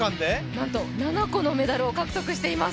なんと７個のメダルを獲得しています。